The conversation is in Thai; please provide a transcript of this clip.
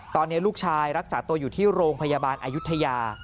ตอนนี้ลูกชายรักษาตัวอยู่ที่โรงพยาบาลอายุทยา